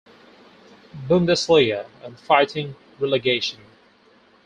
Bundesliga and fighting relegation.